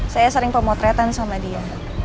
saya sering pemotretan sama dia